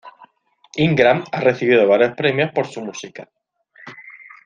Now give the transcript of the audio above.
Ingram ha recibido varios premios por su música.